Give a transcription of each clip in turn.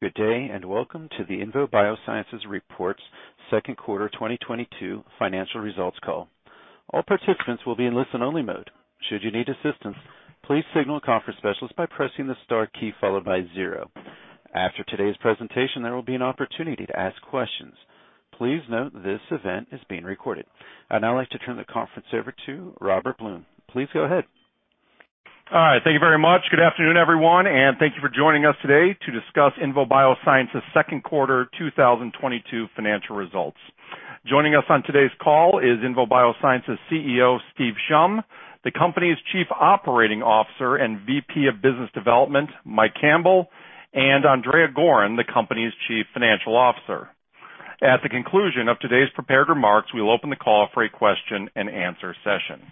Good day, and welcome to the INVO Bioscience Reports Second Quarter 2022 Financial Results Call. All participants will be in listen-only mode. Should you need assistance, please signal a conference specialist by pressing the star key followed by 0. After today's presentation, there will be an opportunity to ask questions. Please note this event is being recorded. I'd now like to turn the conference over to Robert Blum. Please go ahead. All right, thank you very much. Good afternoon, everyone, and thank you for joining us today to discuss INVO Bioscience second quarter 2022 financial results. Joining us on today's call is INVO Bioscience CEO, Steve Shum, the company's Chief Operating Officer and VP of Business Development, Mike Campbell, and Andrea Goren, the company's Chief Financial Officer. At the conclusion of today's prepared remarks, we will open the call for a question-and-answer session.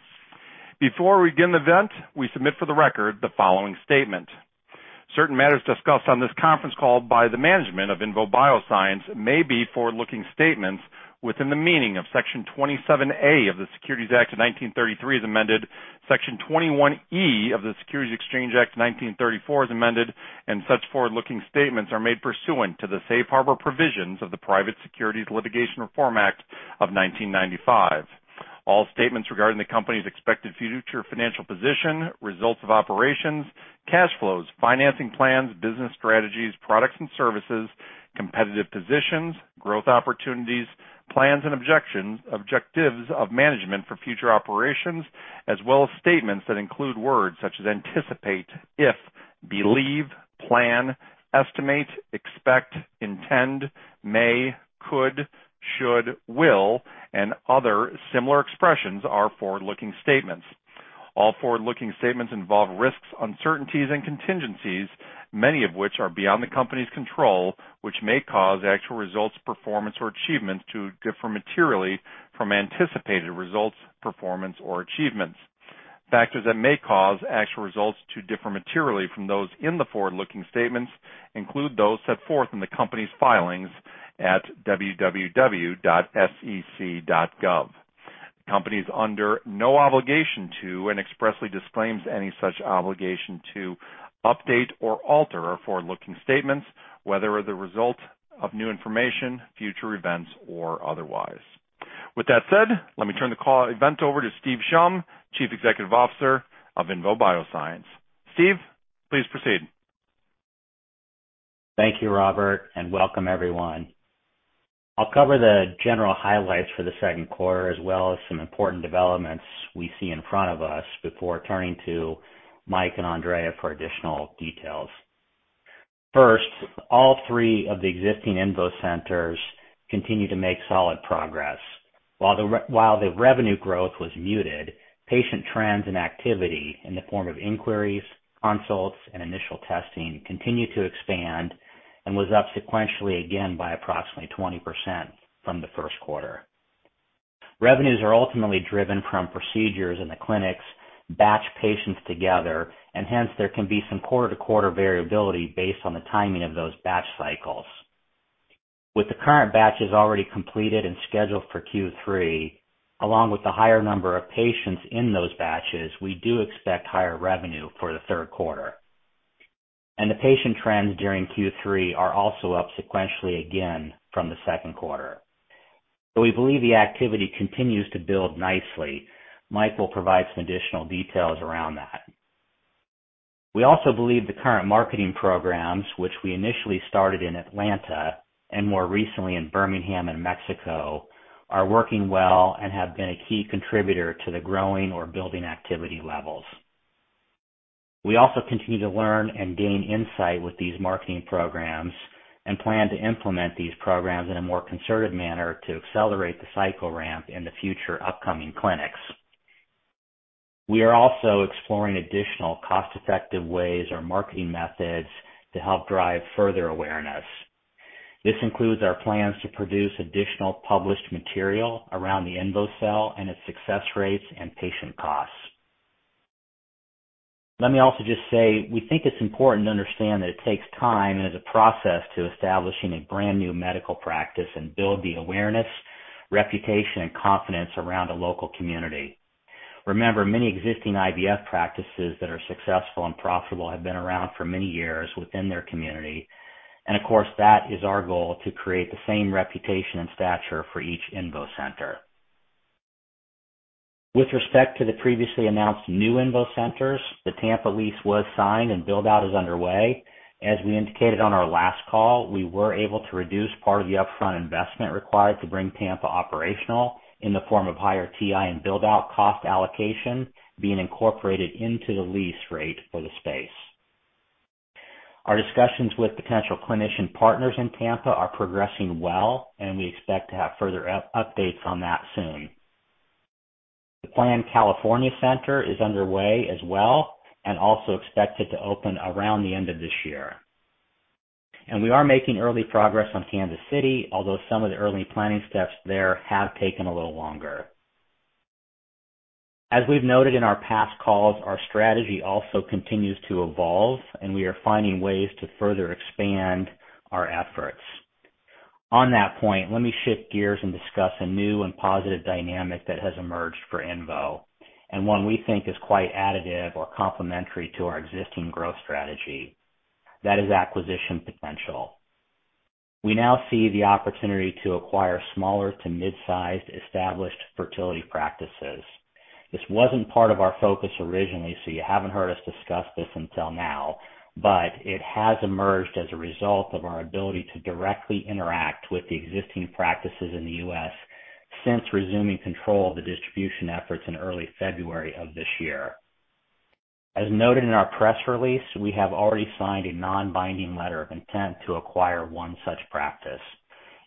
Before we begin the event, we submit for the record the following statement. Certain matters discussed on this conference call by the management of INVO Bioscience may be forward-looking statements within the meaning of Section 27A of the Securities Act of 1933 as amended, Section 21E of the Securities Exchange Act of 1934 as amended, and such forward-looking statements are made pursuant to the Safe Harbor Provisions of the Private Securities Litigation Reform Act of 1995. All statements regarding the company's expected future financial position, results of operations, cash flows, financing plans, business strategies, products and services, competitive positions, growth opportunities, plans and objectives of management for future operations, as well as statements that include words such as anticipate, if, believe, plan, estimate, expect, intend, may, could, should, will, and other similar expressions are forward-looking statements. All forward-looking statements involve risks, uncertainties, and contingencies, many of which are beyond the company's control, which may cause actual results, performance, or achievements to differ materially from anticipated results, performance, or achievements. Factors that may cause actual results to differ materially from those in the forward-looking statements include those set forth in the company's filings at www.sec.gov. The company is under no obligation to and expressly disclaims any such obligation to update or alter our forward-looking statements, whether as a result of new information, future events, or otherwise. With that said, let me turn the call over to Steve Shum, Chief Executive Officer of INVO Bioscience. Steve, please proceed. Thank you, Robert, and welcome everyone. I'll cover the general highlights for the second quarter as well as some important developments we see in front of us before turning to Mike and Andrea for additional details. First, all three of the existing INVO Centers continue to make solid progress. While the revenue growth was muted, patient trends and activity in the form of inquiries, consults, and initial testing continued to expand and was up sequentially again by approximately 20% from the first quarter. Revenues are ultimately driven from procedures in the clinics, batched patients together, and hence there can be some quarter-to-quarter variability based on the timing of those batch cycles. With the current batches already completed and scheduled for Q3, along with the higher number of patients in those batches, we do expect higher revenue for the third quarter. The patient trends during Q3 are also up sequentially again from the second quarter. We believe the activity continues to build nicely. Mike will provide some additional details around that. We also believe the current marketing programs, which we initially started in Atlanta and more recently in Birmingham and Mexico, are working well and have been a key contributor to the growing or building activity levels. We also continue to learn and gain insight with these marketing programs and plan to implement these programs in a more concerted manner to accelerate the cycle ramp in the future upcoming clinics. We are also exploring additional cost-effective ways or marketing methods to help drive further awareness. This includes our plans to produce additional published material around the INVOcell and its success rates and patient costs. Let me also just say, we think it's important to understand that it takes time and is a process to establishing a brand new medical practice and build the awareness, reputation, and confidence around a local community. Remember, many existing IVF practices that are successful and profitable have been around for many years within their community. Of course, that is our goal to create the same reputation and stature for each INVO Center. With respect to the previously announced new INVO Centers, the Tampa lease was signed and build-out is underway. As we indicated on our last call, we were able to reduce part of the upfront investment required to bring Tampa operational in the form of higher TI and build-out cost allocation being incorporated into the lease rate for the space. Our discussions with potential clinician partners in Tampa are progressing well, and we expect to have further up-updates on that soon. The planned California center is underway as well and also expected to open around the end of this year. We are making early progress on Kansas City, although some of the early planning steps there have taken a little longer. As we've noted in our past calls, our strategy also continues to evolve, and we are finding ways to further expand our efforts. On that point, let me shift gears and discuss a new and positive dynamic that has emerged for INVO, and one we think is quite additive or complementary to our existing growth strategy. That is acquisition potential. We now see the opportunity to acquire smaller to mid-sized established fertility practices. This wasn't part of our focus originally, so you haven't heard us discuss this until now, but it has emerged as a result of our ability to directly interact with the existing practices in the U.S. since resuming control of the distribution efforts in early February of this year. As noted in our press release, we have already signed a non-binding letter of intent to acquire one such practice.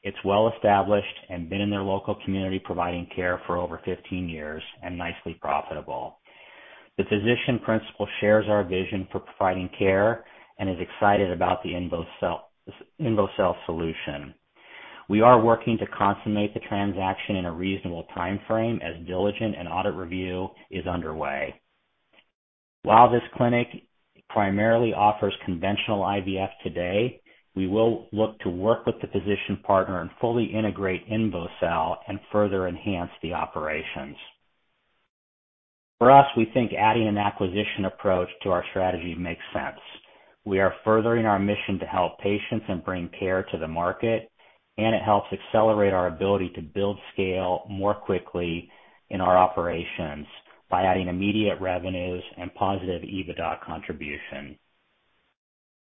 It's well established and been in their local community providing care for over 15 years and nicely profitable. The physician principal shares our vision for providing care and is excited about the INVOcell solution. We are working to consummate the transaction in a reasonable time frame as diligence and audit review is underway. While this clinic primarily offers conventional IVF today, we will look to work with the physician partner and fully integrate INVOcell and further enhance the operations. For us, we think adding an acquisition approach to our strategy makes sense. We are furthering our mission to help patients and bring care to the market, and it helps accelerate our ability to build scale more quickly in our operations by adding immediate revenues and positive EBITDA contribution.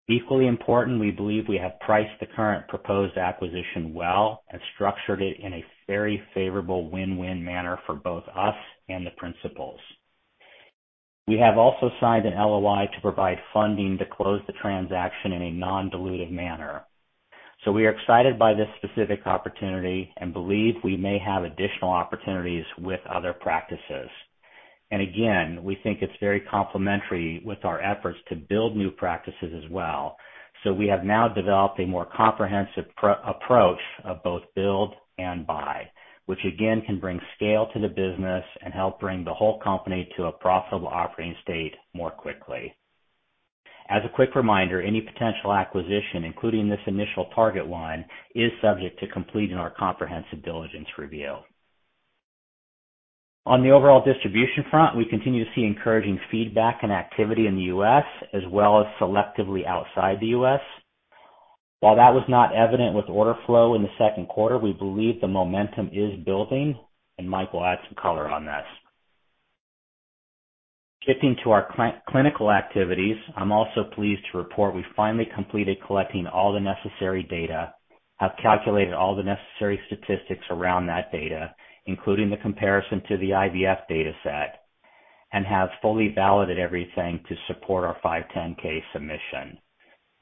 Equally important, we believe we have priced the current proposed acquisition well and structured it in a very favorable win-win manner for both us and the principals. We have also signed an LOI to provide funding to close the transaction in a non-dilutive manner. So we are excited by this specific opportunity and believe we may have additional opportunities with other practices. Again, we think it's very complementary with our efforts to build new practices as well. We have now developed a more comprehensive approach of both build and buy, which again can bring scale to the business and help bring the whole company to a profitable operating state more quickly. As a quick reminder, any potential acquisition, including this initial target one, is subject to completing our comprehensive diligence review. On the overall distribution front, we continue to see encouraging feedback and activity in the U.S. as well as selectively outside the U.S. While that was not evident with order flow in the second quarter, we believe the momentum is building and Mike will add some color on that. Shifting to our clinical activities, I'm also pleased to report we finally completed collecting all the necessary data, have calculated all the necessary statistics around that data, including the comparison to the IVF data set, and have fully validated everything to support our 510(k) submission.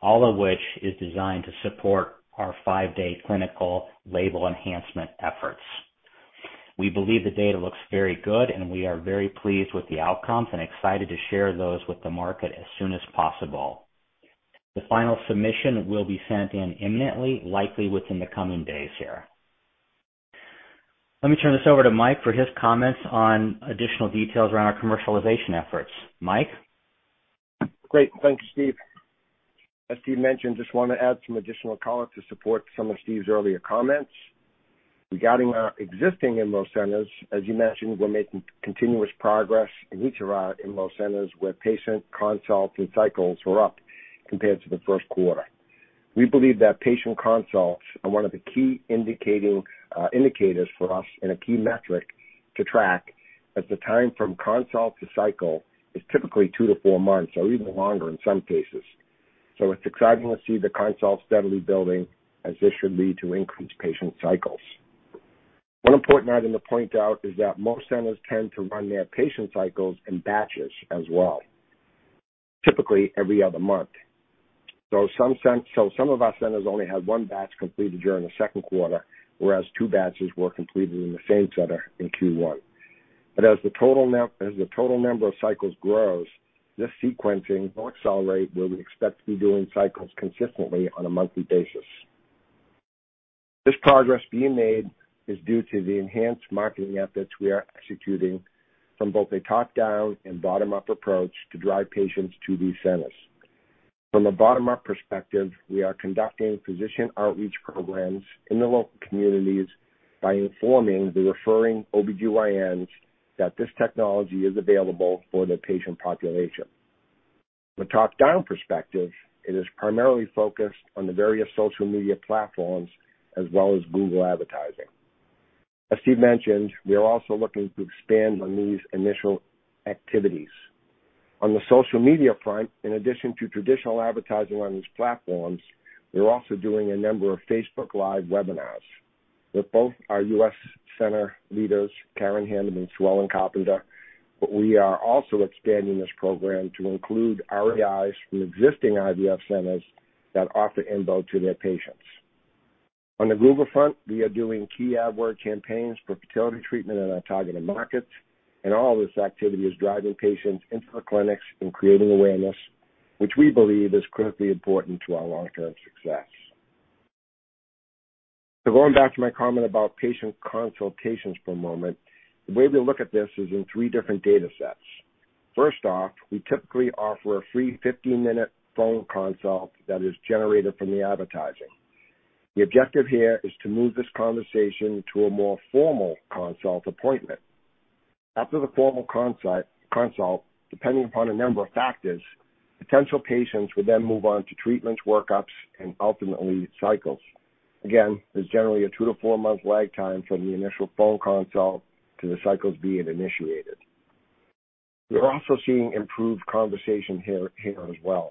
All of which is designed to support our five-day clinical label enhancement efforts. We believe the data looks very good, and we are very pleased with the outcomes and excited to share those with the market as soon as possible. The final submission will be sent in imminently, likely within the coming days here. Let me turn this over to Mike for his comments on additional details around our commercialization efforts. Mike. Great. Thank you, Steve. As Steve mentioned, just want to add some additional color to support some of Steve's earlier comments. Regarding our existing INVO Centers, as you mentioned, we're making continuous progress in each of our INVO Centers where patient consults and cycles were up compared to the first quarter. We believe that patient consults are one of the key indicators for us and a key metric to track as the time from consult to cycle is typically 2-4 months or even longer in some cases. It's exciting to see the consults steadily building as this should lead to increased patient cycles. One important item to point out is that most centers tend to run their patient cycles in batches as well, typically every other month. Some of our centers only had one batch completed during the second quarter, whereas two batches were completed in the same center in Q1. As the total number of cycles grows, this sequencing will accelerate where we expect to be doing cycles consistently on a monthly basis. This progress being made is due to the enhanced marketing efforts we are executing from both a top-down and bottom-up approach to drive patients to these centers. From a bottom-up perspective, we are conducting physician outreach programs in the local communities by informing the referring OBGYNs that this technology is available for their patient population. The top-down perspective, it is primarily focused on the various social media platforms as well as Google advertising. As Steve mentioned, we are also looking to expand on these initial activities. On the social media front, in addition to traditional advertising on these platforms, we're also doing a number of Facebook Live webinars with both our U.S. center leaders, Karen Hannan and Sue Ellen Carpenter, but we are also expanding this program to include REIs from existing IVF centers that offer INVO to their patients. On the Google front, we are doing keyword ad campaigns for fertility treatment in our targeted markets, and all this activity is driving patients into the clinics and creating awareness, which we believe is critically important to our long-term success. Going back to my comment about patient consultations for a moment, the way we look at this is in three different data sets. First off, we typically offer a free 15-minute phone consult that is generated from the advertising. The objective here is to move this conversation to a more formal consult appointment. After the formal consult, depending upon a number of factors, potential patients would then move on to treatments, work-ups, and ultimately cycles. Again, there's generally a 2-4 month lag time from the initial phone consult to the cycles being initiated. We're also seeing improved conversion here as well.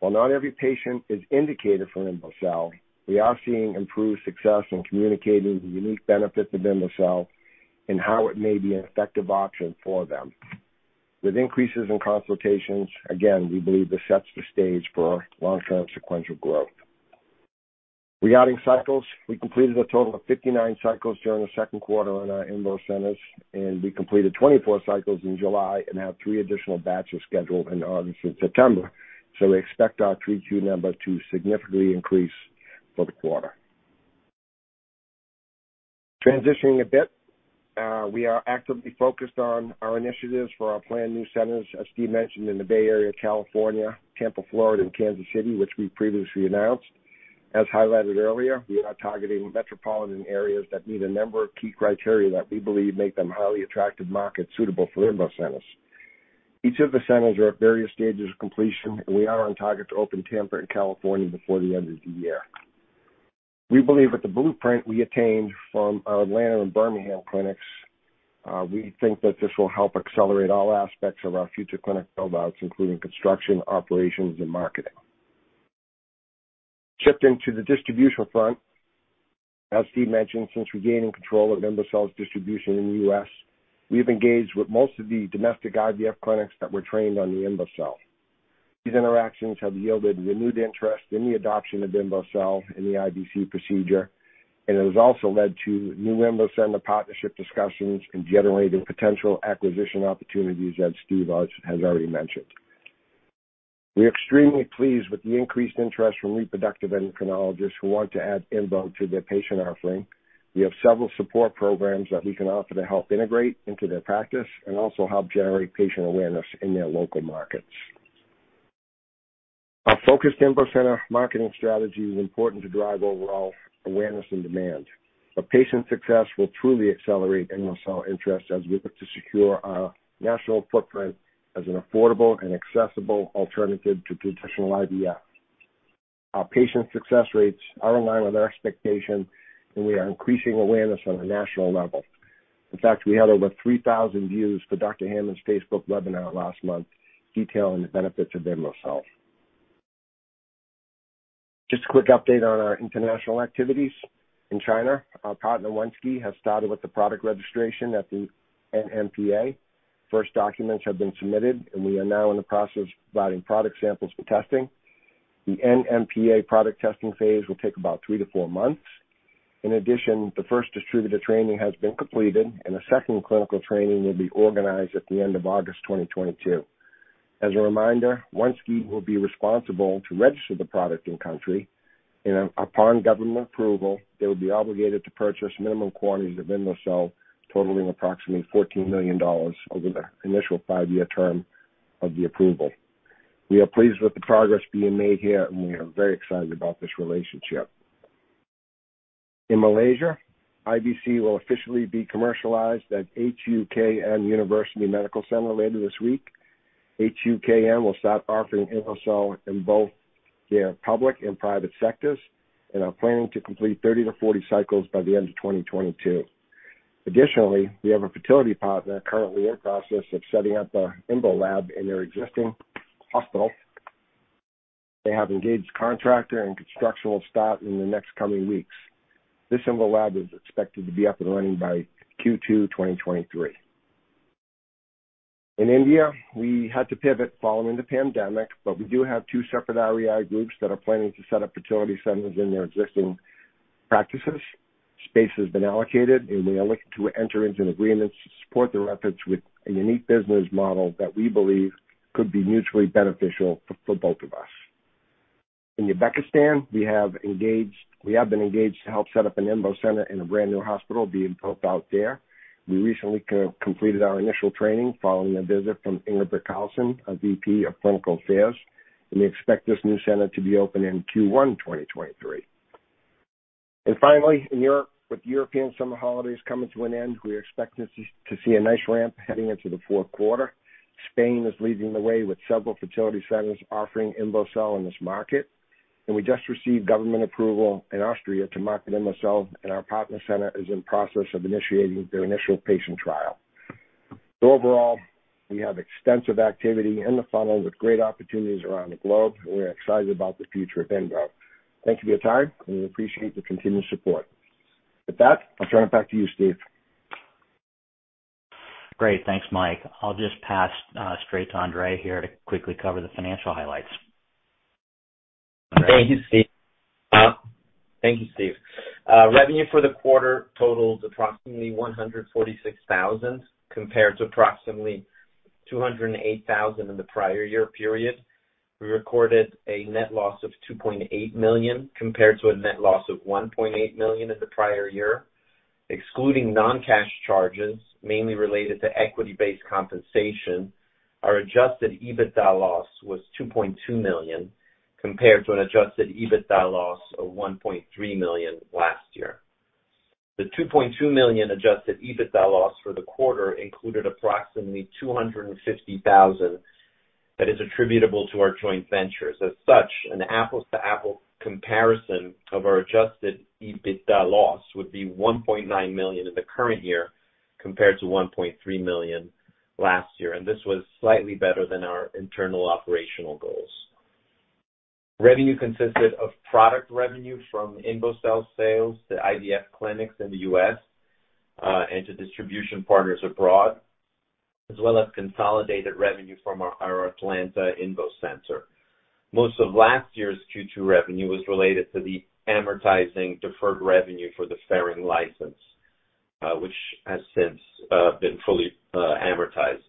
While not every patient is indicated for INVOcell, we are seeing improved success in communicating the unique benefits of INVOcell and how it may be an effective option for them. With increases in consultations, again, we believe this sets the stage for long-term sequential growth. Regarding cycles, we completed a total of 59 cycles during the second quarter in our INVO Centers, and we completed 24 cycles in July and have three additional batches scheduled in August and September. We expect our Q3 numbers to significantly increase for the quarter. Transitioning a bit, we are actively focused on our initiatives for our planned new centers, as Steve mentioned, in the Bay Area, California, Tampa, Florida, and Kansas City, which we previously announced. As highlighted earlier, we are targeting metropolitan areas that meet a number of key criteria that we believe make them highly attractive markets suitable for INVO Centers. Each of the centers are at various stages of completion. We are on target to open Tampa and California before the end of the year. We believe with the blueprint we obtained from our Atlanta and Birmingham clinics, we think that this will help accelerate all aspects of our future clinic build-outs, including construction, operations, and marketing. Shifting to the distribution front, as Steve mentioned, since regaining control of INVOcell's distribution in the U.S., we have engaged with most of the domestic IVF clinics that were trained on the INVOcell. These interactions have yielded renewed interest in the adoption of INVOcell in the IVC procedure, and it has also led to new INVO Center partnership discussions and generated potential acquisition opportunities that Steve has already mentioned. We're extremely pleased with the increased interest from reproductive endocrinologists who want to add INVO to their patient offering. We have several support programs that we can offer to help integrate into their practice and also help generate patient awareness in their local markets. Our focused INVO Center marketing strategy is important to drive overall awareness and demand, but patient success will truly accelerate INVOcell interest as we look to secure our national footprint as an affordable and accessible alternative to traditional IVF. Our patient success rates are in line with our expectations, and we are increasing awareness on a national level. In fact, we had over 3,000 views for Dr. Hammond's Facebook webinar last month detailing the benefits of INVOcell. Just a quick update on our international activities. In China, our partner Onesky has started with the product registration at the NMPA. First documents have been submitted, and we are now in the process of providing product samples for testing. The NMPA product testing phase will take about 3-4 months. In addition, the first distributor training has been completed, and a second clinical training will be organized at the end of August 2022. As a reminder, Onesky will be responsible to register the product in country, and upon government approval, they will be obligated to purchase minimum quantities of INVOcell totaling approximately $14 million over the initial five-year term of the approval. We are pleased with the progress being made here, and we are very excited about this relationship. In Malaysia, IVC will officially be commercialized at HUKM University Medical Center later this week. HUKM will start offering INVOcell in both their public and private sectors and are planning to complete 30-40 cycles by the end of 2022. Additionally, we have a fertility partner currently in process of setting up a INVO lab in their existing hospital. They have engaged contractor and construction will start in the next coming weeks. This INVO lab is expected to be up and running by Q2 2023. In India, we had to pivot following the pandemic, but we do have two separate REI groups that are planning to set up fertility centers in their existing practices. Space has been allocated, and we are looking to enter into agreements to support their efforts with a unique business model that we believe could be mutually beneficial for both of us. In Uzbekistan, we have been engaged to help set up an INVO Center in a brand-new hospital being built out there. We recently completed our initial training following a visit from Ingrid Carlsen, our VP of Clinical Affairs, and we expect this new center to be open in Q1 2023. Finally, in Europe, with European summer holidays coming to an end, we are expecting to see a nice ramp heading into the fourth quarter. Spain is leading the way with several fertility centers offering INVOcell in this market. We just received government approval in Austria to market INVOcell, and our partner center is in process of initiating their initial patient trial. Overall, we have extensive activity in the funnel with great opportunities around the globe, and we're excited about the future of INVO. Thank you for your time, and we appreciate the continued support. With that, I'll turn it back to you, Steve. Great. Thanks, Mike. I'll just pass straight to Andrea here to quickly cover the financial highlights. Andrea? Thank you, Steve. Revenue for the quarter totals approximately $146,000 compared to approximately $208,000 in the prior year period. We recorded a net loss of $2.8 million compared to a net loss of $1.8 million in the prior year. Excluding non-cash charges mainly related to equity-based compensation, our Adjusted EBITDA loss was $2.2 million, compared to an Adjusted EBITDA loss of $1.3 million last year. The $2.2 million Adjusted EBITDA loss for the quarter included approximately $250,000 that is attributable to our joint ventures. As such, an apples-to-apples comparison of our Adjusted EBITDA loss would be $1.9 million in the current year compared to $1.3 million last year, and this was slightly better than our internal operational goals. Revenue consisted of product revenue from INVOcell sales to IVF clinics in the U.S., and to distribution partners abroad, as well as consolidated revenue from our Atlanta INVO Center. Most of last year's Q2 revenue was related to the amortizing deferred revenue for the Ferring license, which has since been fully amortized.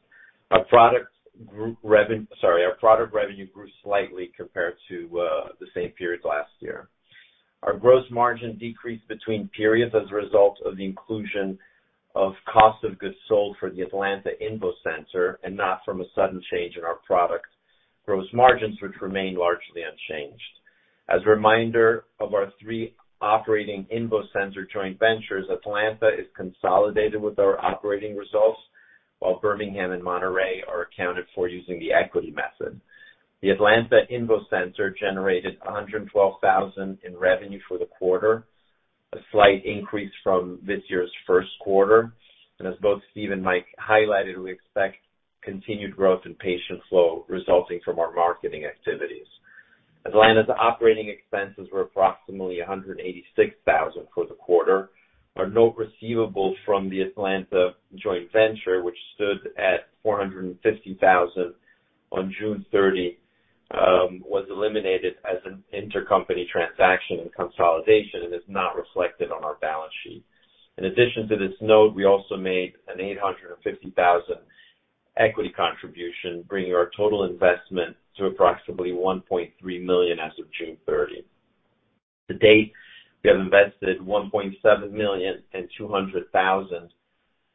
Our product revenue grew slightly compared to the same period last year. Our gross margin decreased between periods as a result of the inclusion of cost of goods sold for the Atlanta INVO Center and not from a sudden change in our product gross margins, which remained largely unchanged. As a reminder of our three operating INVO Center joint ventures, Atlanta is consolidated with our operating results, while Birmingham and Monterrey are accounted for using the equity method. The Atlanta INVO Center generated $112,000 in revenue for the quarter, a slight increase from this year's first quarter. As both Steve and Mike highlighted, we expect continued growth in patient flow resulting from our marketing activities. Atlanta's operating expenses were approximately $186,000 for the quarter. Our note receivable from the Atlanta joint venture, which stood at $450,000 on June 30, was eliminated as an intercompany transaction in consolidation and is not reflected on our balance sheet. In addition to this note, we also made an $850,000 equity contribution, bringing our total investment to approximately $1.3 million as of June 30. To date, we have invested $1.7 million and $200,000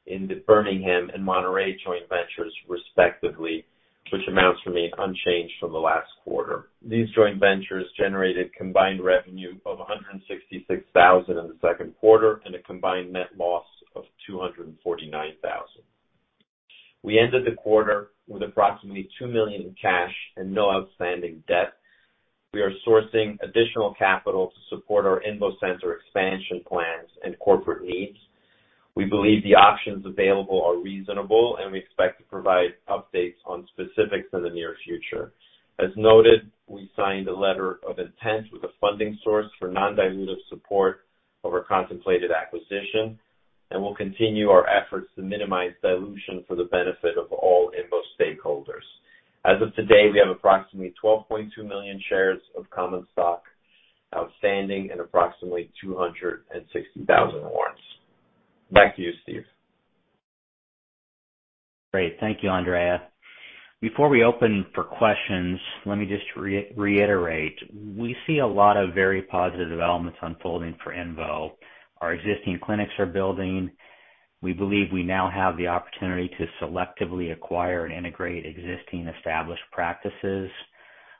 in the Birmingham and Monterrey joint ventures, respectively, which amounts remain unchanged from the last quarter. These joint ventures generated combined revenue of $166,000 in the second quarter and a combined net loss of $249,000. We ended the quarter with approximately $2 million in cash and no outstanding debt. We are sourcing additional capital to support our INVO Center expansion plans and corporate needs. We believe the options available are reasonable, and we expect to provide updates on specifics in the near future. As noted, we signed a letter of intent with a funding source for non-dilutive support of our contemplated acquisition, and we'll continue our efforts to minimize dilution for the benefit of all INVO stakeholders. As of today, we have approximately 12.2 million shares of common stock outstanding and approximately 260,000 warrants. Back to you, Steve. Great. Thank you, Andrea. Before we open for questions, let me just reiterate. We see a lot of very positive developments unfolding for INVO. Our existing clinics are building. We believe we now have the opportunity to selectively acquire and integrate existing established practices,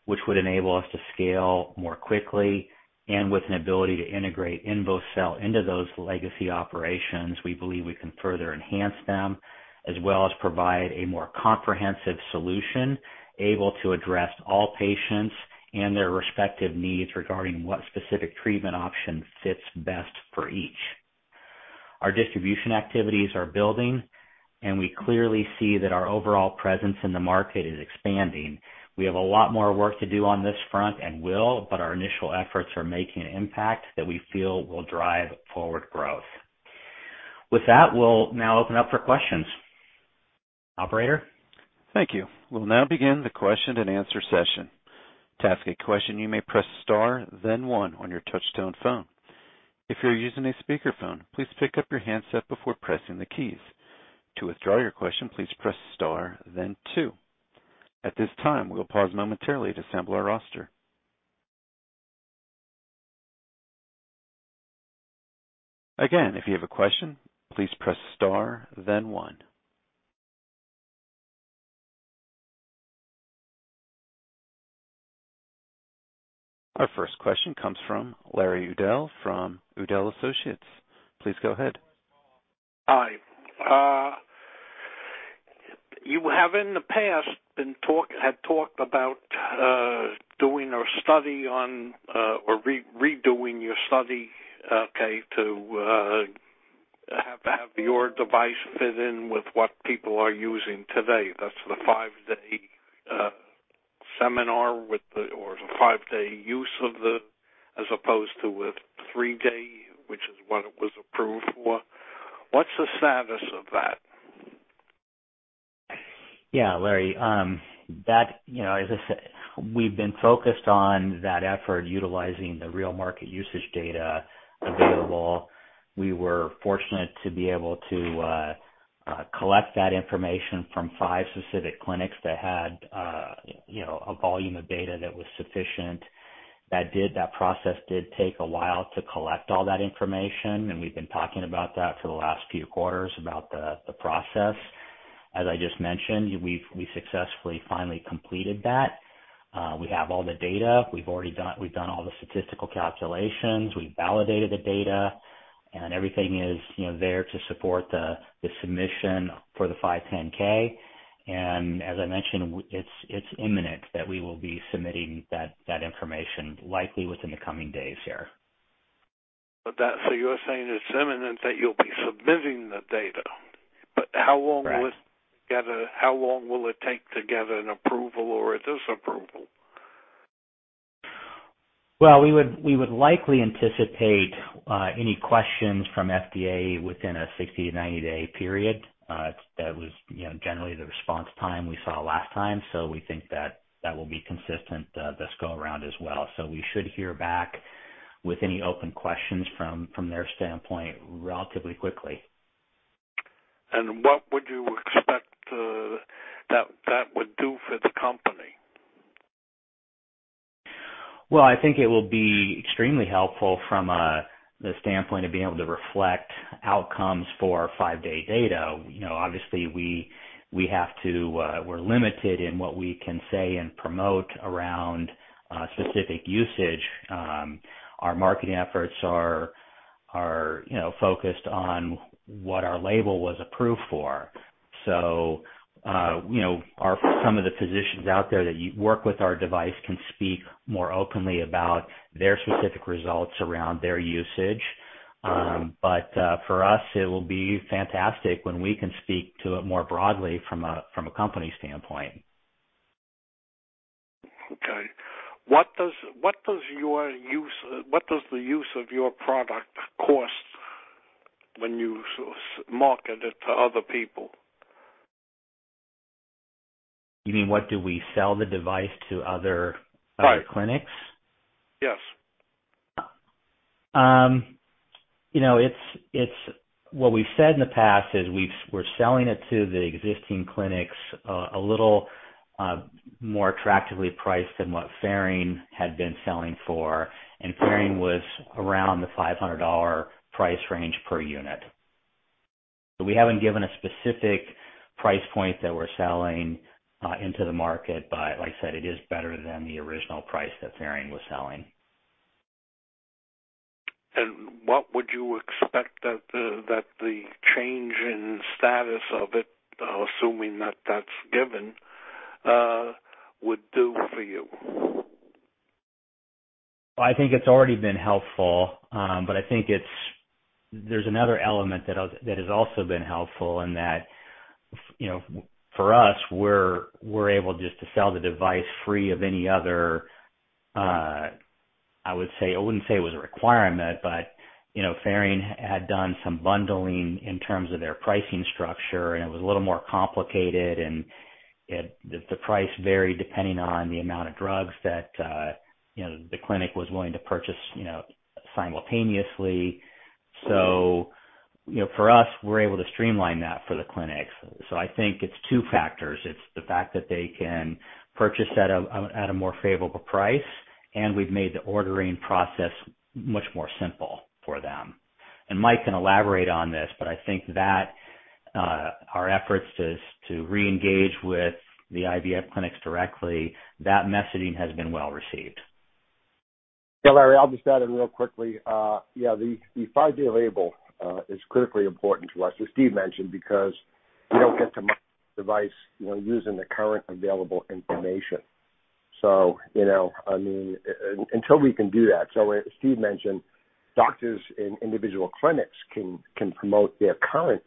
which would enable us to scale more quickly. With an ability to integrate INVOcell into those legacy operations, we believe we can further enhance them as well as provide a more comprehensive solution able to address all patients and their respective needs regarding what specific treatment option fits best for each. Our distribution activities are building, and we clearly see that our overall presence in the market is expanding. We have a lot more work to do on this front and will, but our initial efforts are making an impact that we feel will drive forward growth. With that, we'll now open up for questions. Operator? Thank you. We'll now begin the question-and-answer session. To ask a question, you may press Star, then 1 on your touchtone phone. If you're using a speakerphone, please pick up your handset before pressing the keys. To withdraw your question, please press Star then 2. At this time, we'll pause momentarily to sample our roster. Again, if you have a question, please press Star then 1. Our first question comes from Larry Udell from Udell Associates. Please go ahead. Hi. You have in the past had talked about doing a study on or redoing your study, okay, to have your device fit in with what people are using today. That's the five-day seminar, or five-day use of the, as opposed to the three-day, which is what it was approved for. What's the status of that? Yeah, Larry. That, you know, as I said, we've been focused on that effort utilizing the real market usage data available. We were fortunate to be able to collect that information from five specific clinics that had a volume of data that was sufficient. That process did take a while to collect all that information, and we've been talking about that for the last few quarters about the process. As I just mentioned, we've successfully finally completed that. We have all the data. We've already done all the statistical calculations. We've validated the data, and everything is, you know, there to support the submission for the 510(k). As I mentioned, it's imminent that we will be submitting that information likely within the coming days here. You're saying it's imminent that you'll be submitting the data, but how long - Right. - will it gather, how long will it take to gather an approval or a disapproval? Well, we would likely anticipate any questions from FDA within a 60- to 90-day period. That was, you know, generally the response time we saw last time. We think that will be consistent this go around as well. We should hear back with any open questions from their standpoint relatively quickly. What would you expect that would do for the company? Well, I think it will be extremely helpful from the standpoint of being able to reflect outcomes for our five-day data. You know, obviously we have to, we're limited in what we can say and promote around specific usage. Our marketing efforts are, you know, focused on what our label was approved for. You know, some of the physicians out there that work with our device can speak more openly about their specific results around their usage. For us, it will be fantastic when we can speak to it more broadly from a company standpoint. Okay. What does the use of your product cost when you submarket it to other people? You mean, what do we sell the device to other - Right. - other clinics? Yes. You know, it's what we've said in the past is we're selling it to the existing clinics, a little more attractively priced than what Ferring had been selling for, and Ferring was around the $500 price range per unit. We haven't given a specific price point that we're selling into the market, but like I said, it is better than the original price that Ferring was selling. What would you expect that the change in status of it, assuming that that's given, would do for you? I think it's already been helpful. I think there's another element that is, that has also been helpful in that, you know, for us, we're able just to sell the device free of any other, I would say. I wouldn't say it was a requirement, but, you know, Ferring had done some bundling in terms of their pricing structure, and it was a little more complicated, and the price varied depending on the amount of drugs that, you know, the clinic was willing to purchase, you know, simultaneously. You know, for us, we're able to streamline that for the clinics. I think it's two factors. It's the fact that they can purchase at a more favorable price, and we've made the ordering process much more simple for them. Mike can elaborate on this, but I think that our efforts to reengage with the IVF clinics directly, that messaging has been well received. Yeah, Larry, I'll just add in real quickly. Yeah, the five-day label is critically important to us, as Steve mentioned, because we don't get to advertise, you know, using the current available information. You know, I mean, until we can do that. As Steve mentioned, doctors in individual clinics can promote their current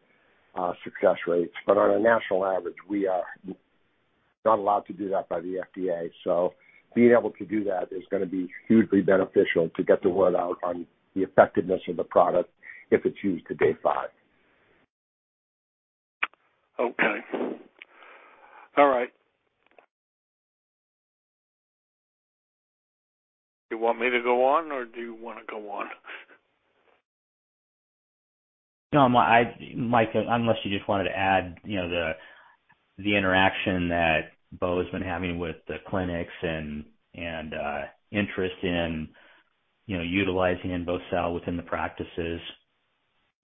success rates, but on a national average, we are not allowed to do that by the FDA. Being able to do that is gonna be hugely beneficial to get the word out on the effectiveness of the product if it's used to Day 5. Okay. All right. Do you want me to go on or do you wanna go on? No, Mike, unless you just wanted to add, you know, the interaction that Bo has been having with the clinics and interest in, you know, utilizing INVOcell within the practices. Yeah.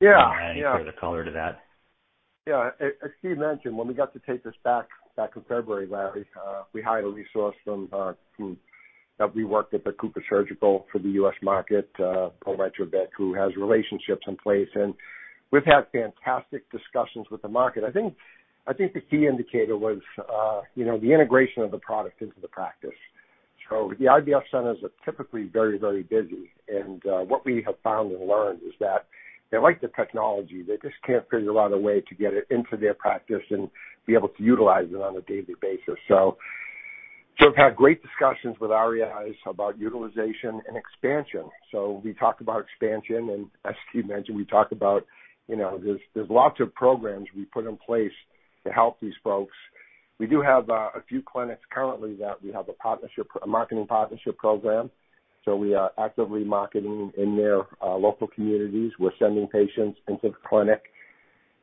Yeah. Add any further color to that. Yeah. As Steve mentioned, when we got to take this back in February, Larry, we hired a resource from that we worked at CooperSurgical for the U.S. market, post Reprotech, who has relationships in place. We've had fantastic discussions with the market. I think the key indicator was the integration of the product into the practice. The IVF centers are typically very busy. What we have found and learned is that they like the technology. They just can't figure out a way to get it into their practice and be able to utilize it on a daily basis. We've had great discussions with REIs about utilization and expansion. We talked about expansion, and as Steve mentioned, we talked about there's lots of programs we put in place to help these folks. We do have a few clinics currently that we have a partnership, a marketing partnership program, so we are actively marketing in their local communities. We're sending patients into the clinic.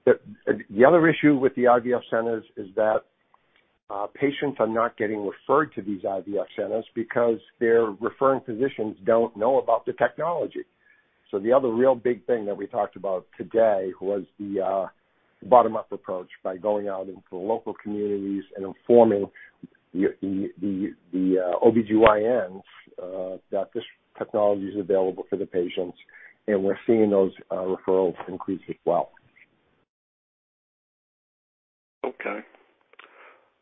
The other issue with the IVF centers is that patients are not getting referred to these IVF centers because their referring physicians don't know about the technology. The other real big thing that we talked about today was the bottom-up approach by going out into the local communities and informing the OBGYNs that this technology is available for the patients, and we're seeing those referrals increase as well. Okay.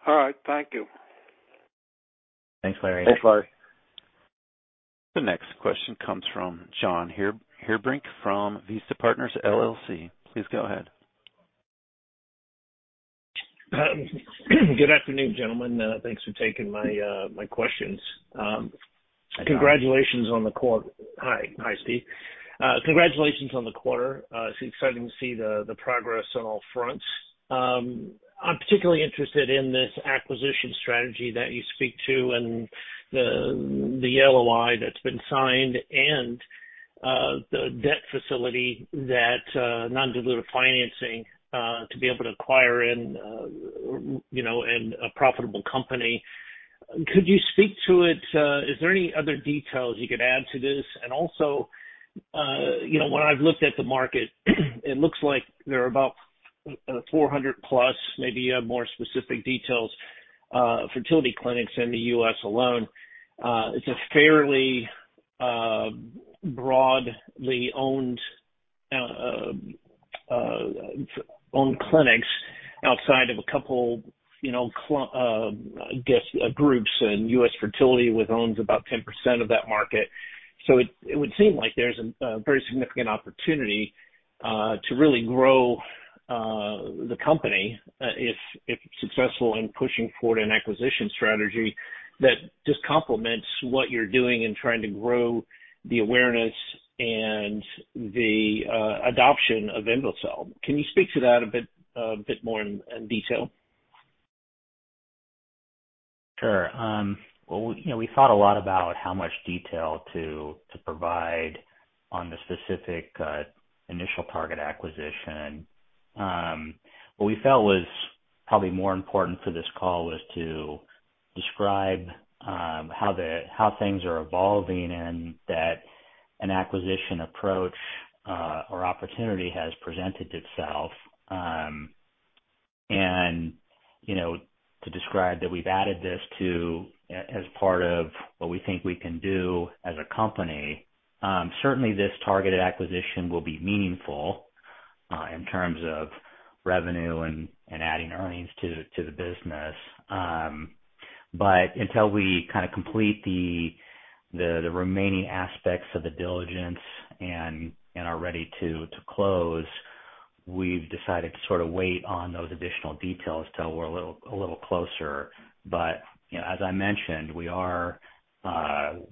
All right. Thank you. Thanks, Larry. Thanks, Larry. The next question comes from John Heerdink from Vista Partners LLC. Please go ahead. Good afternoon, gentlemen. Thanks for taking my questions. Congratulations on the quarter. Hi. Hi, Steve. Congratulations on the quarter. It's exciting to see the progress on all fronts. I'm particularly interested in this acquisition strategy that you speak to and the LOI that's been signed and the debt facility that non-dilutive financing to be able to acquire and you know and a profitable company. Could you speak to it? Is there any other details you could add to this? Also, you know, when I've looked at the market, it looks like there are about 400+, maybe you have more specific details, fertility clinics in the U.S. alone. It's a fairly broadly owned clinics outside of a couple, you know, groups and U.S. Fertility, which owns about 10% of that market. It would seem like there's a very significant opportunity to really grow the company if successful in pushing forward an acquisition strategy that just complements what you're doing in trying to grow the awareness and the adoption of INVOcell. Can you speak to that a bit more in detail? Sure. Well, you know, we thought a lot about how much detail to provide on the specific initial target acquisition. What we felt was probably more important for this call was to describe how things are evolving and that an acquisition approach or opportunity has presented itself. You know, to describe that we've added this as part of what we think we can do as a company. Certainly this targeted acquisition will be meaningful in terms of revenue and adding earnings to the business. Until we kinda complete the remaining aspects of the diligence and are ready to close, we've decided to sort of wait on those additional details till we're a little closer. You know, as I mentioned, we are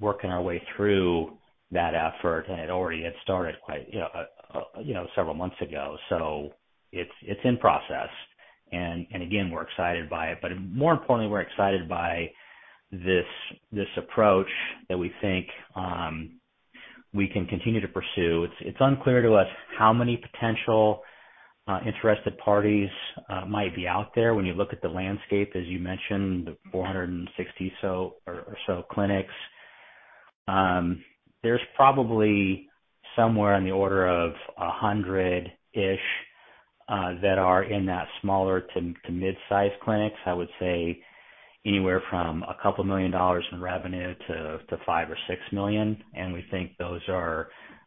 working our way through that effort, and it already had started quite, you know, several months ago. It's in process. Again, we're excited by it. More importantly, we're excited by this approach that we think we can continue to pursue. It's unclear to us how many potential interested parties might be out there when you look at the landscape, as you mentioned, the 460 or so clinics. There's probably somewhere in the order of 100-ish that are in that smaller to mid-size clinics. I would say anywhere from $2 million in revenue to $5-$6 million. We think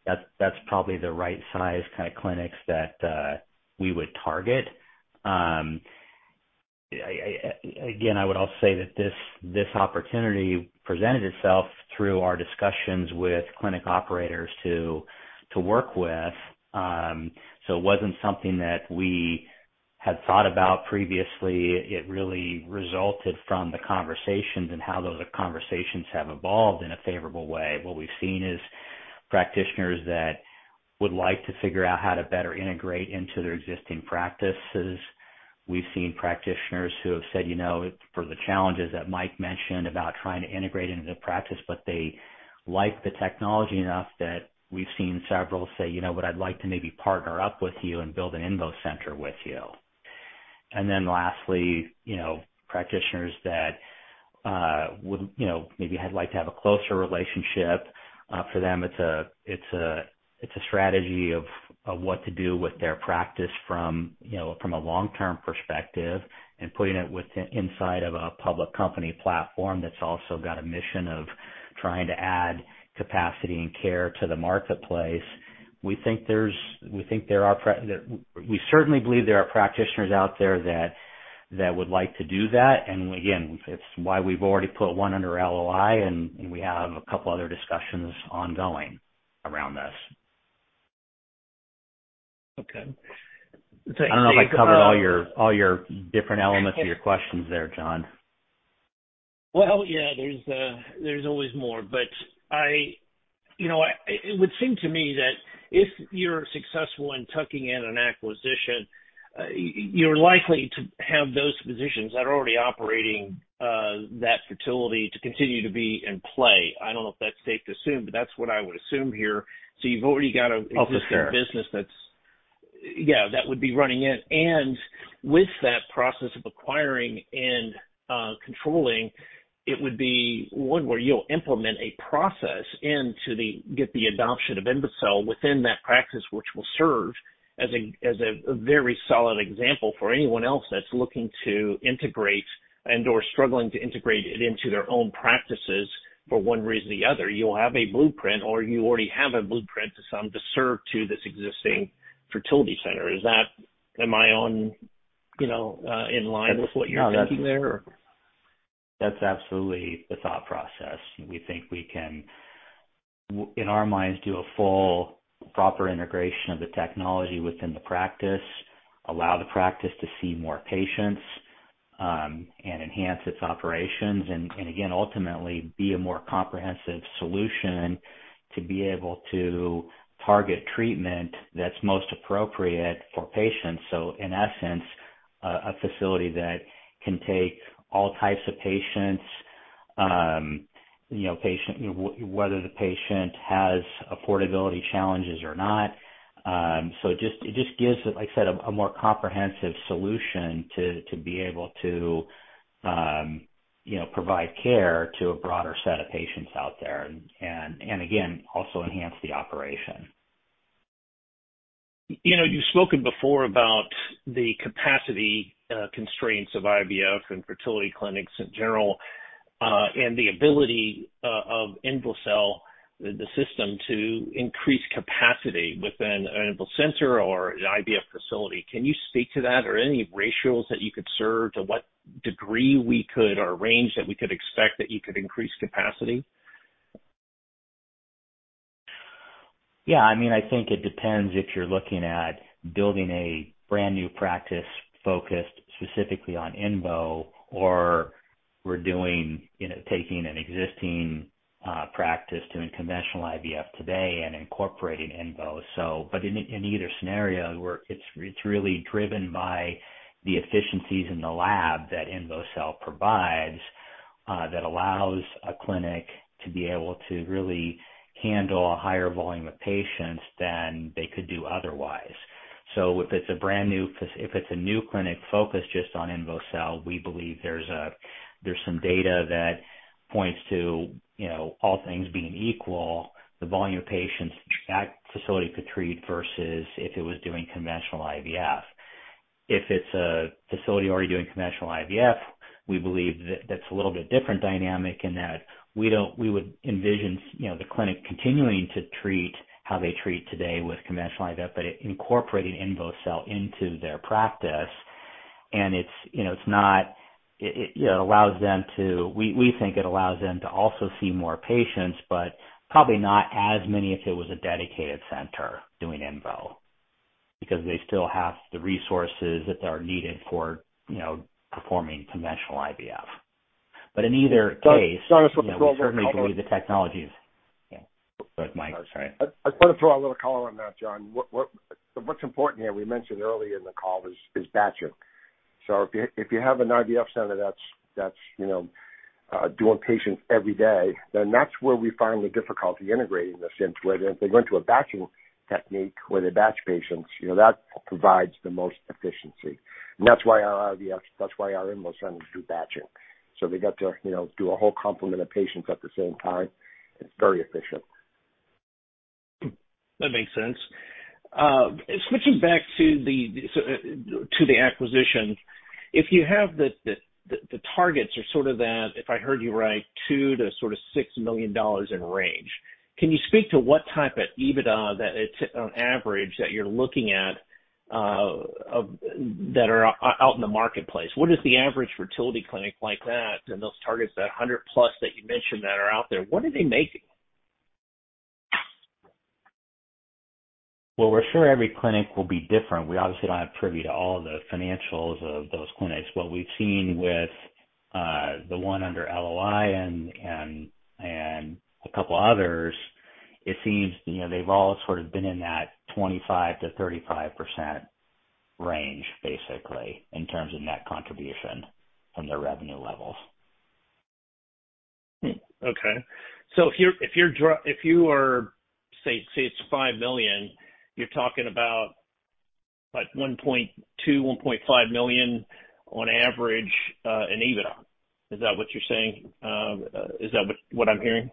that's probably the right size kind of clinics that we would target. Again, I would also say that this opportunity presented itself through our discussions with clinic operators to work with. It wasn't something that we had thought about previously. It really resulted from the conversations and how those conversations have evolved in a favorable way. What we've seen is practitioners that would like to figure out how to better integrate into their existing practices. We've seen practitioners who have said, you know, for the challenges that Mike mentioned about trying to integrate into the practice, but they like the technology enough that we've seen several say, "You know what? I'd like to maybe partner up with you and build an INVO Center with you." Then lastly, you know, practitioners that would, you know, maybe I'd like to have a closer relationship. For them, it's a strategy of what to do with their practice from, you know, from a long-term perspective and putting it inside of a public company platform that's also got a mission of trying to add capacity and care to the marketplace. We think there are practitioners. We certainly believe there are practitioners out there that would like to do that. Again, it's why we've already put one under LOI, and we have a couple other discussions ongoing around this. Okay. I don't know if I covered all your different elements of your questions there, John. Well, yeah, there's always more. You know, it would seem to me that if you're successful in tucking in an acquisition, you're likely to have those physicians that are already operating that fertility to continue to be in play. I don't know if that's safe to assume, but that's what I would assume here. You've already got an existing business that's. Yeah, that would be running it. With that process of acquiring and controlling, it would be one where you'll implement a process to get the adoption of INVOcell within that practice, which will serve as a very solid example for anyone else that's looking to integrate and/or struggling to integrate it into their own practices for one reason or the other. You'll have a blueprint or you already have a blueprint to serve to this existing fertility center. Am I on, you know, in line with what you're thinking there? Or That's absolutely the thought process. We think we can, in our minds, do a full proper integration of the technology within the practice, allow the practice to see more patients, and enhance its operations, and again, ultimately be a more comprehensive solution to be able to target treatment that's most appropriate for patients. In essence, a facility that can take all types of patients, you know, whether the patient has affordability challenges or not. It just gives, like I said, a more comprehensive solution to be able to, you know, provide care to a broader set of patients out there and again, also enhance the operation. You know, you've spoken before about the capacity constraints of IVF and fertility clinics in general, and the ability of INVOcell, the system, to increase capacity within an INVO Center or an IVF facility. Can you speak to that or any ratios that you could serve to what degree we could or range that we could expect that you could increase capacity? Yeah. I mean, I think it depends if you're looking at building a brand new practice focused specifically on INVO or we're doing, you know, taking an existing practice doing conventional IVF today and incorporating INVO. In either scenario, it's really driven by the efficiencies in the lab that INVOcell provides that allows a clinic to be able to really handle a higher volume of patients than they could do otherwise. If it's a new clinic focused just on INVOcell, we believe there's some data that points to, you know, all things being equal, the volume of patients that facility could treat versus if it was doing conventional IVF. If it's a facility already doing conventional IVF, we believe that's a little bit different dynamic in that we would envision, you know, the clinic continuing to treat how they treat today with conventional IVF, but incorporating INVOcell into their practice. It's, you know, allows them to. We think it allows them to also see more patients, but probably not as many if it was a dedicated center doing INVO, because they still have the resources that are needed for, you know, performing conventional IVF. In either case- John, just want to throw a little color. We certainly believe the technology is. Yeah. Go ahead, Mike. Sorry. I just want to throw a little color on that, John. What's important here, we mentioned earlier in the call, is batching. If you have an IVF center that's, you know, doing patients every day, then that's where we find the difficulty integrating this into it. If they went to a batching technique where they batch patients, you know, that provides the most efficiency. That's why our INVO's, that's why our INVO Centers do batching. They get to, you know, do a whole complement of patients at the same time. It's very efficient. That makes sense. Switching back to the acquisition, if you have the targets are sort of that, if I heard you right, $2 million to sort of $6 million in range, can you speak to what type of EBITDA that it's on average that you're looking at that are out in the marketplace? What is the average fertility clinic like that and those targets, that 100+ that you mentioned that are out there, what are they making? Well, we're sure every clinic will be different. We obviously don't have privy to all the financials of those clinics. What we've seen with the one under LOI and a couple others, it seems, you know, they've all sort of been in that 25%-35% range, basically, in terms of net contribution from their revenue levels. Okay. If you are, say, it's $5 million, you're talking about like $1.2-$1.5 million on average in EBITDA. Is that what you're saying? Is that what I'm hearing?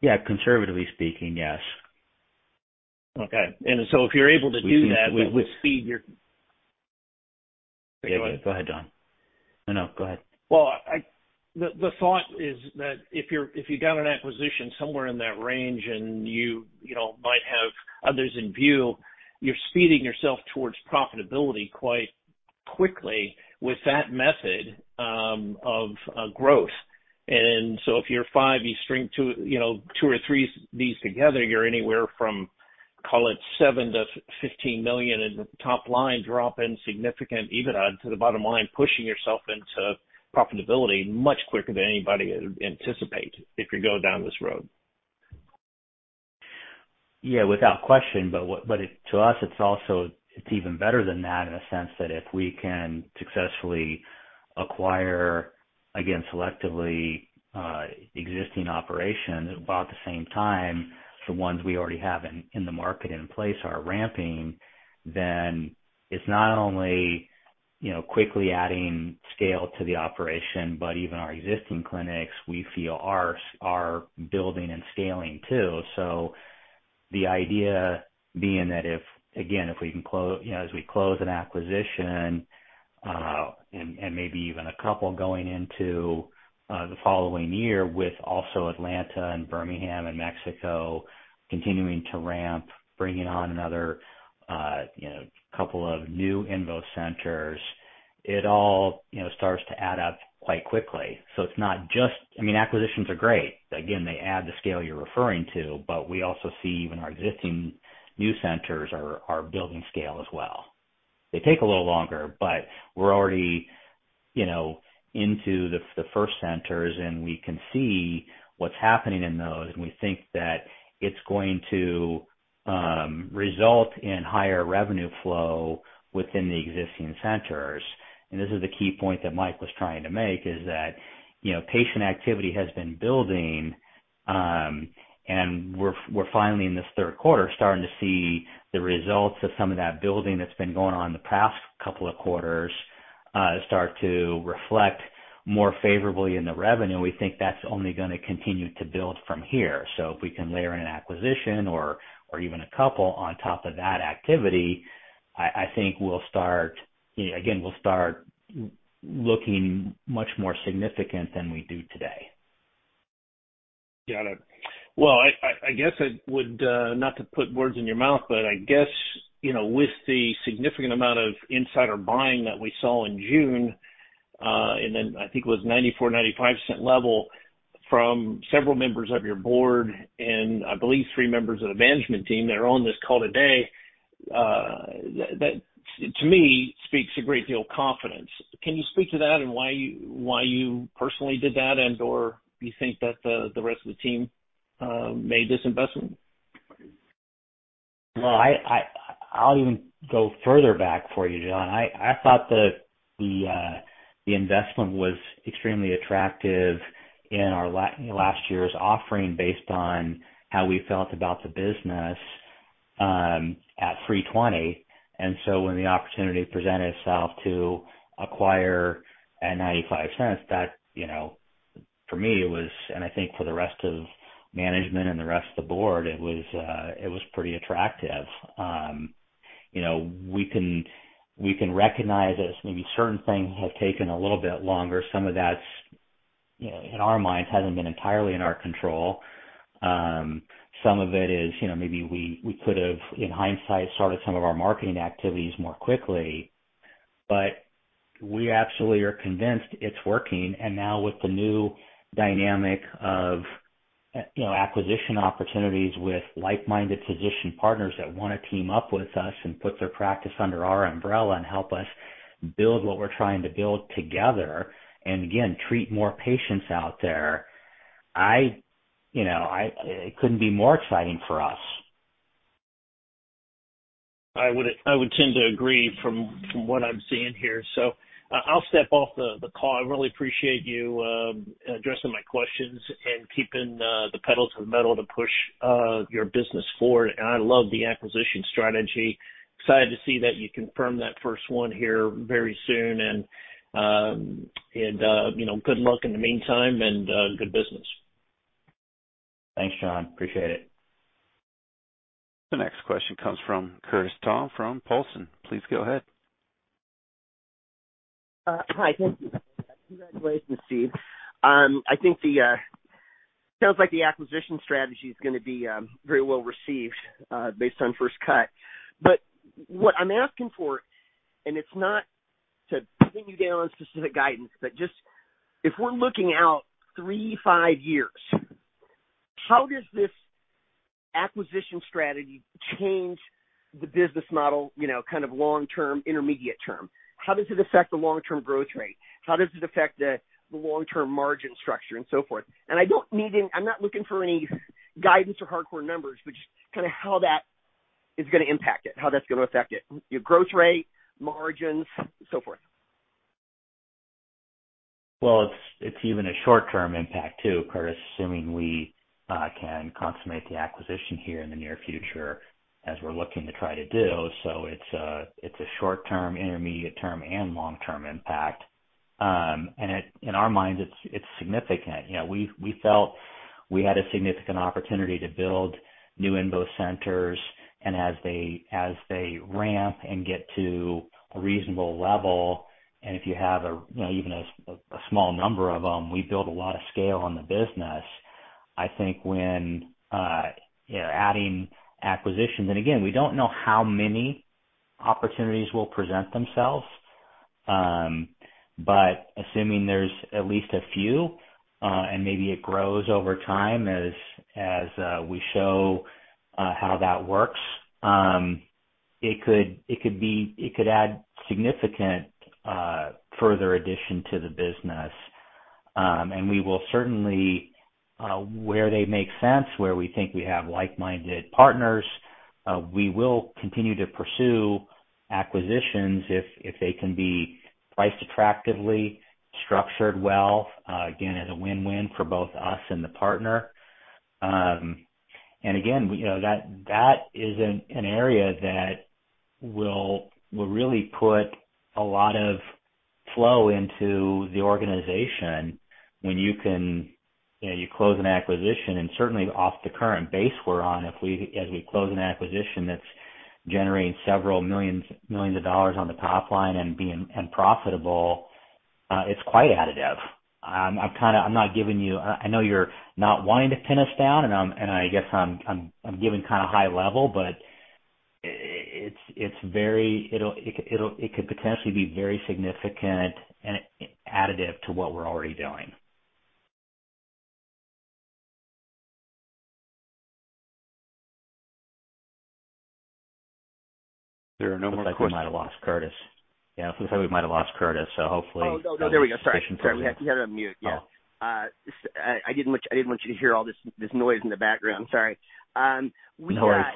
Yeah. Conservatively speaking, yes. Okay. If you're able to do that would speed your- Yeah. Go ahead, John. No, no, go ahead. Well, the thought is that if you got an acquisition somewhere in that range and you know, might have others in view, you're speeding yourself towards profitability quite quickly with that method of growth. If you're five, you string two, you know, two or three these together, you're anywhere from, call it $7 million-$15 million in top line, drop in significant EBITDA to the bottom line, pushing yourself into profitability much quicker than anybody would anticipate if you go down this road. Yeah, without question. To us, it's also even better than that in a sense that if we can successfully acquire, again, selectively, existing operations while at the same time, the ones we already have in the market and in place are ramping, then it's not only, you know, quickly adding scale to the operation, but even our existing clinics, we feel are building and scaling too. The idea being that if, again, we can close, you know, as we close an acquisition, and maybe even a couple going into the following year with also Atlanta and Birmingham and Mexico continuing to ramp, bringing on another, you know, couple of new INVO Centers, it all, you know, starts to add up quite quickly. It's not just. I mean, acquisitions are great. Again, they add the scale you're referring to, but we also see even our existing new centers are building scale as well. They take a little longer, but we're already, you know, into the first centers, and we can see what's happening in those, and we think that it's going to result in higher revenue flow within the existing centers. This is the key point that Mike was trying to make, is that, you know, patient activity has been building, and we're finally in this third quarter starting to see the results of some of that building that's been going on in the past couple of quarters start to reflect more favorably in the revenue. We think that's only gonna continue to build from here. If we can layer in an acquisition or even a couple on top of that activity, I think we'll start, you know, again, we'll start looking much more significant than we do today. Got it. Well, I guess I would not to put words in your mouth, but I guess, you know, with the significant amount of insider buying that we saw in June, and then I think it was $0.94-$0.95 level from several members of your board, and I believe three members of the management team that are on this call today, that, to me, speaks a great deal of confidence. Can you speak to that and why you personally did that and/or you think that the rest of the team made this investment? Well, I'll even go further back for you, John. I thought the investment was extremely attractive in our last year's offering based on how we felt about the business at $3.20. When the opportunity presented itself to acquire at $0.95, that, you know, for me, it was. I think for the rest of management and the rest of the board, it was pretty attractive. You know, we can recognize that maybe certain things have taken a little bit longer. Some of that's, you know, in our minds, hasn't been entirely in our control. Some of it is, you know, maybe we could have, in hindsight, started some of our marketing activities more quickly. We absolutely are convinced it's working. Now with the new dynamic of—you know, acquisition opportunities with like-minded physician partners that wanna team up with us and put their practice under our umbrella and help us build what we're trying to build together, and again, treat more patients out there, you know, it couldn't be more exciting for us. I would tend to agree from what I'm seeing here. I'll step off the call. I really appreciate you addressing my questions and keeping the pedal to the metal to push your business forward. I love the acquisition strategy. Excited to see that you confirm that first one here very soon. You know, good luck in the meantime and good business. Thanks, John. Appreciate it. The next question comes from Curtis Thom from Paulson. Please go ahead. Hi. Thank you. Congratulations, Steve. I think it sounds like the acquisition strategy is gonna be very well received based on first cut. What I'm asking for, and it's not to pin you down on specific guidance, but just if we're looking out three, five years, how does this acquisition strategy change the business model, you know, kind of long term, intermediate term? How does it affect the long-term growth rate? How does it affect the long-term margin structure and so forth? I don't need any. I'm not looking for any guidance or hardcore numbers, but just kinda how that is gonna impact it, how that's gonna affect it, your growth rate, margins, so forth. Well, it's even a short-term impact too, Curtis, assuming we can consummate the acquisition here in the near future as we're looking to try to do. It's a short term, intermediate term, and long-term impact. In our minds, it's significant. You know, we felt we had a significant opportunity to build new INVO Centers and as they ramp and get to a reasonable level, and if you have a you know even a small number of them, we build a lot of scale on the business. I think when you know adding acquisitions, and again, we don't know how many opportunities will present themselves. Assuming there's at least a few, and maybe it grows over time as we show how that works, it could add significant further addition to the business. We will certainly, where they make sense, where we think we have like-minded partners, we will continue to pursue acquisitions if they can be priced attractively, structured well, again, as a win-win for both us and the partner. Again, you know, that is an area that will really put a lot of flow into the organization when you can, you know, you close an acquisition and certainly off the current base we're on, as we close an acquisition that's generating several millions of dollars on the top line and profitable, it's quite additive. I know you're not wanting to pin us down, and I guess I'm giving kinda high level, but it could potentially be very significant and additive to what we're already doing. There are no more questions. Looks like we might have lost Curtis. Yeah. It looks like we might have lost Curtis. Hopefully- Oh, no. There we go. Sorry. Sorry. We had you on mute. Yeah. Oh. I didn't want you to hear all this noise in the background. Sorry. We No worries.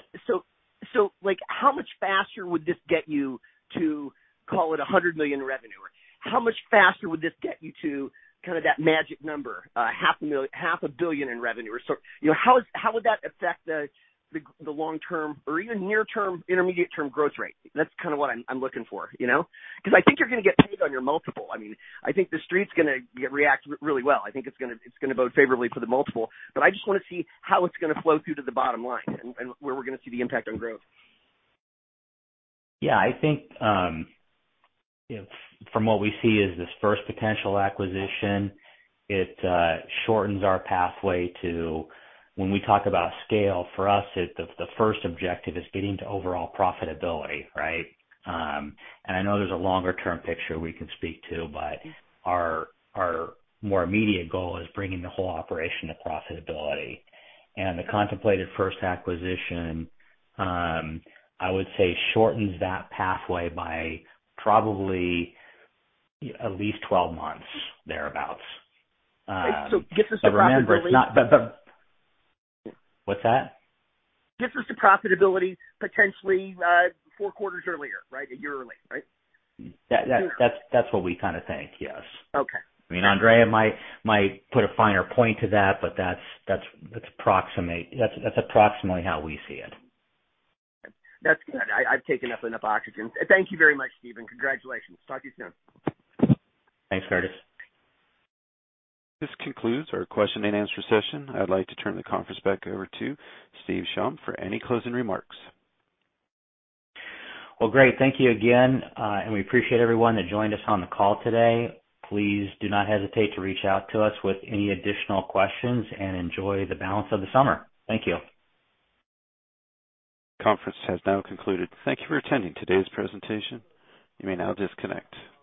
Like, how much faster would this get you to $100 million revenue? How much faster would this get you to kind of that magic number, half a million, half a billion in revenue? Or so, you know, how would that affect the long term or even near term, intermediate term growth rate? That's kind of what I'm looking for, you know? Because I think you're gonna get paid on your multiple. I mean, I think the street's gonna react really well. I think it's gonna vote favorably for the multiple. But I just wanna see how it's gonna flow through to the bottom line and where we're gonna see the impact on growth. I think, you know, from what we see as this first potential acquisition, it shortens our pathway to when we talk about scale, for us, it's the first objective is getting to overall profitability, right? I know there's a longer term picture we can speak to, but our more immediate goal is bringing the whole operation to profitability. The contemplated first acquisition, I would say shortens that pathway by probably at least 12 months, thereabout. Gets us to profitability. What's that? Gets us to profitability potentially, four quarters earlier, right? A year early, right? That's what we kinda think. Yes. Okay. I mean, Andrea might put a finer point to that, but that's approximate. That's approximately how we see it. That's good. I've taken up enough oxygen. Thank you very much, Steve. Congratulations. Talk to you soon. Thanks, Curtis Thom. This concludes our question and answer session. I'd like to turn the conference back over to Steve Shum for any closing remarks. Well, great. Thank you again, and we appreciate everyone that joined us on the call today. Please do not hesitate to reach out to us with any additional questions, and enjoy the balance of the summer. Thank you. Conference has now concluded. Thank you for attending today's presentation. You may now disconnect.